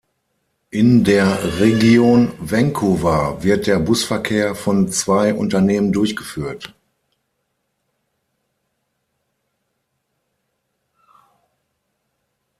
In der Region Vancouver wird der Busverkehr von zwei Unternehmen durchgeführt.